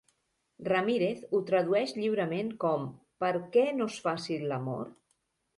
Ramírez ho tradueix lliurement com "per què no és fàcil l'amor?".